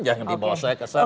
jangan dibawa saya kesana